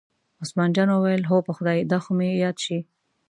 عثمان جان وویل: هو په خدای دا خو مې یاد شي.